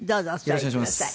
よろしくお願いします。